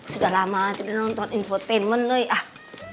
sudah lama tidak nonton infotainment